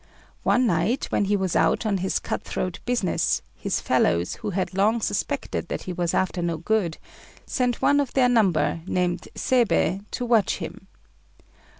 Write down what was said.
One night, when he was out on his cutthroat business, his fellows, who had long suspected that he was after no good, sent one of their number, named Seibei, to watch him.